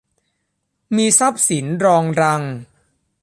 มีทรัพย์สินรองรัง